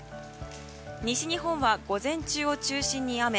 西日本は午前中を中心に雨。